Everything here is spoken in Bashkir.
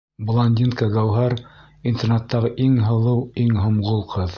Блондинка Гәүһәр, интернаттағы иң һылыу, иң һомғол ҡыҙ: